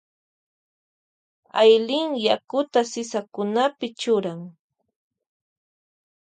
Aylin churan yakuta sisakunapi.